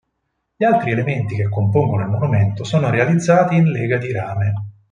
Gli altri elementi che compongono il monumento sono realizzati in lega di rame.